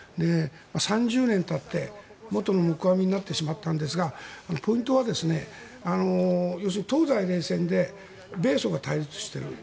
３０年たって、元の木阿弥になってしまったんですがポイントは要するに東西冷戦で米ソが対立している。